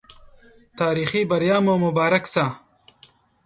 تاريخي بریا مو مبارک سه